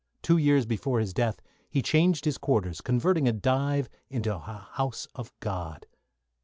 Two years before his death he changed his quarters, converting a dive into a House of God.